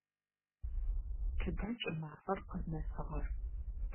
Тыда кӏымафэр къызнэсыгъэр?